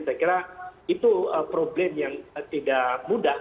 saya kira itu problem yang tidak mudah